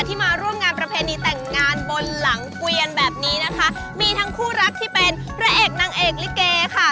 มาร่วมงานประเพณีแต่งงานบนหลังเกวียนแบบนี้นะคะมีทั้งคู่รักที่เป็นพระเอกนางเอกลิเกค่ะ